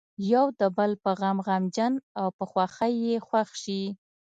یو د بل په غم غمجن او په خوښۍ یې خوښ شي.